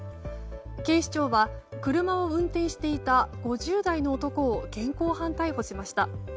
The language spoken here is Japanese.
警視庁は車を運転していた５０代の男を現行犯逮捕しました。